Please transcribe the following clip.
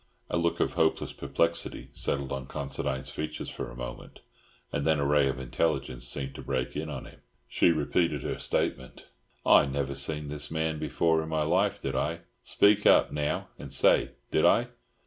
A look of hopeless perplexity settled on Considine's features for a moment, and then a ray of intelligence seemed to break in on him. She repeated her statement. "I never seen this man before in me life. Did I? Speak up, now, and say, did I?"